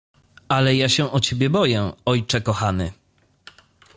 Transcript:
"Ale ja się o ciebie boję, ojcze kochany."